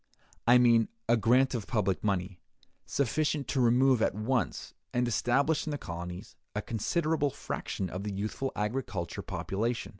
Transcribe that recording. I mean, a grant of public money, sufficient to remove at once, and establish in the colonies, a considerable fraction of the youthful agricultural population.